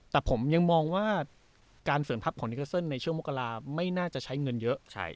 แต่ผมยังมองว่าการเสริมทัพของนิเกอร์เซิลในช่วงมกราไม่น่าจะใช้เงินเยอะ